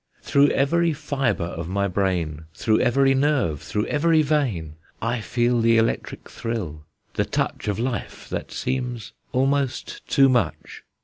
Through every fibre of my brain, Through every nerve, through every vein, I feel the electric thrill, the touch Of life, that seems almost too much.